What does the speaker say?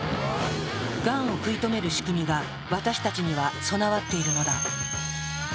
がんを食い止める仕組みが私たちには備わっているのだ。